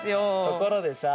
ところでさ。